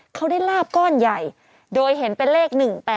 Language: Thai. เขาได้ลาบก้อนใหญ่โดยเห็นเป็นเลข๑๘